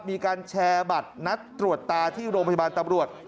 มีการแชร์บัตรนัดตรวจตาที่โรงพยาบาลตำรวจ